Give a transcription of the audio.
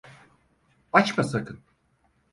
Açma sakın.